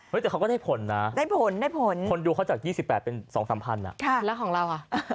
เฮ้ยแต่เขาก็ได้ผลนะผลดูเขาจาก๒๘เป็น๒๓พันอ่ะแล้วของเราอ่ะ